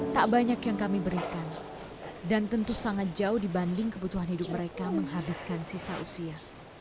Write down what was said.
tak banyak yang kami berikan dan tentu sangat jauh dibanding kebutuhan hidup mereka menghabiskan sisa usia